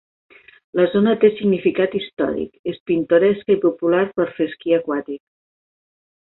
La zona té significat històric, és pintoresca i popular per fer esquí aquàtic.